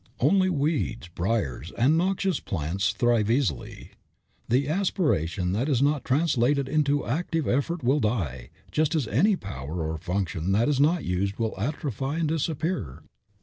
Only weeds, briers, and noxious plants thrive easily. The aspiration that is not translated into active effort will die, just as any power or function that is not used will atrophy or disappear.